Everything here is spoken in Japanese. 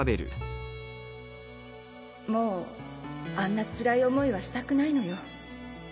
もうあんなつらい思いはしたくないのよ。